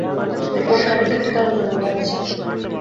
ওর নাভিতে একটি কালো জন্মদাগ আছে?